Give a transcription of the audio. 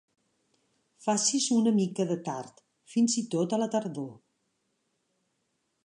Facis una mica de tard, fins i tot a la tardor.